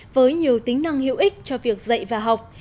với nhiều tính năng hữu ích cho việc dạy và học